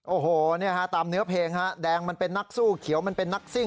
โอ้โหเนี่ยฮะตามเนื้อเพลงฮะแดงมันเป็นนักสู้เขียวมันเป็นนักซิ่ง